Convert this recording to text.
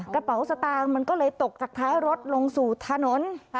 กระเป๋าสตางค์มันก็เลยตกจากท้ายรถลงสู่ถนน